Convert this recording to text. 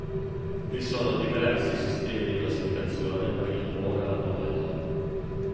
Vi sono diversi sistemi di classificazione per il tumore alla mammella.